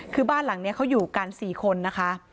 คือบ้านหลังนี้เขาอยู่กัน๔คนนะคะ